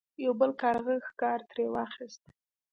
یو بل کارغه ښکار ترې واخیست.